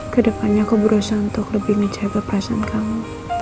kedepannya aku berusaha untuk lebih mencapai perasaan kamu